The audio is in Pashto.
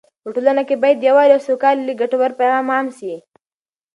په ټولنه کې باید د یووالي او سولې ګټور پیغام عام سي.